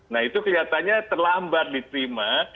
nah itu kelihatannya terlambat diterima